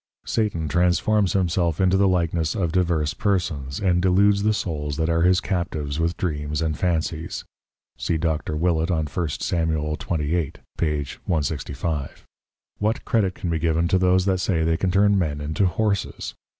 _ Satan transforms himself into the likeness of divers Persons, and deludes the Souls that are his Captives with Dreams and Fancies; see Dr. Willet on 1 Sam. 28. p. 165. What Credit can be given to those that say they can turn Men into Horses?